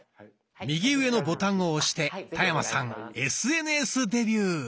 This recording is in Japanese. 右上のボタンを押して田山さんＳＮＳデビュー。